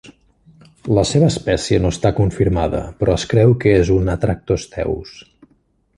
La seva espècie no està confirmada, però es creu que és un Atractosteus.